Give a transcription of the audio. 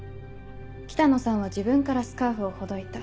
北野さんは自分からスカーフをほどいた。